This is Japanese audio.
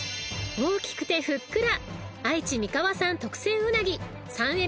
［大きくてふっくら！］